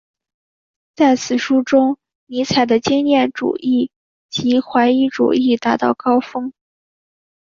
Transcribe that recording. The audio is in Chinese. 在此书中尼采的经验主义及怀疑主义达到最高峰。